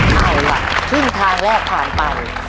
เอาล่ะครึ่งทางแรกผ่านไป